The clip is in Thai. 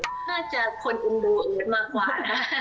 น่าจะคนอุ่นมากกว่านะ